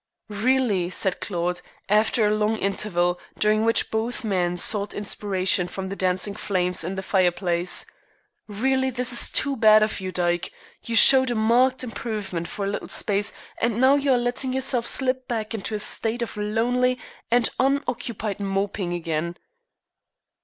"Really," said Claude, after a long interval, during which both men sought inspiration from the dancing flames in the fireplace, "really this is too bad of you, Dyke. You showed a marked improvement for a little space, and now you are letting yourself slip back into a state of lonely and unoccupied moping again."